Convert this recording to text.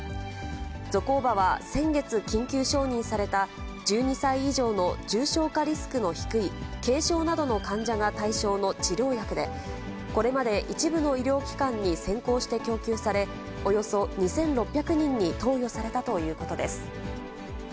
ゾコーバは先月、緊急承認された１２歳以上の重症化リスクの低い軽症などの患者が対象の治療薬で、これまで一部の医療機関に先行して供給され、およそ２６００人に投与されたということです。